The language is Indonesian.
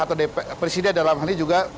atau presiden dalam hal ini juga